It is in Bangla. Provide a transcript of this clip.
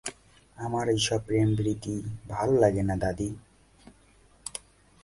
আমার এইসব প্রেম-পিরিতি ভালো লাগে না, দাদী!